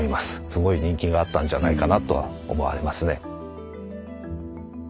すごい人気があったんじゃないかなとは思われますね。